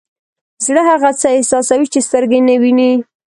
زړه هغه څه احساسوي چې سترګې یې نه ویني.